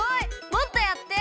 もっとやって！